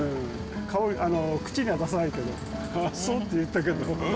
口には出さないけど、あっそって言ったけど。